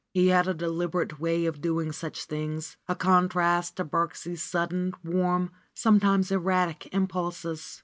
He had a deliberate way of doing such things, a contrast to Birksie's sudden, warm, sometimes erratic, impulses.